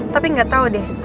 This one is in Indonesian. tapi gak tahu deh